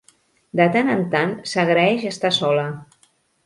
De tant en tant s'agraeix estar sola.